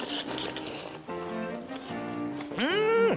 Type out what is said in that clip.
うん！